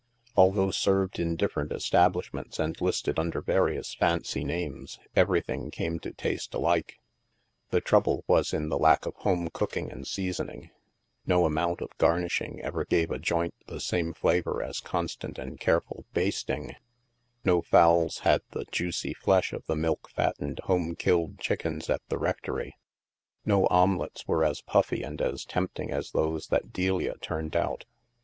Although served in different estab lishments and listed under various fancy names, everything came to taste alike. The trouble was in the lack of home cooking and seasoning ; no amount of garnishing ever gave a joint the same flavor as constant and careful " basting "; no fowls had the juicy flesh of the milk fattened home killed chickens at the rectory; no omelettes were as puffy and as tempting as those that Delia turned out.